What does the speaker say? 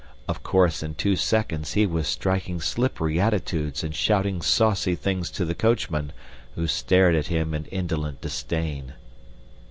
Of course, in two seconds, he was striking slippery attitudes and shouting saucy things to the coachman, who stared at him in indolent disdain.